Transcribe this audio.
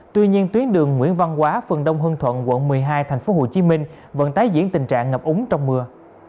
tuy nhiên tuyến đường nguyễn văn quá phường đông hương thuận quận một mươi hai tp hcm vẫn tái diễn tình trạng ngập úng trong mưa